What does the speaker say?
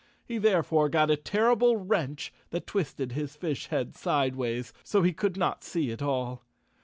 He therefore got a terrible wrench that twisted his fish head sideways, so he could not see at all.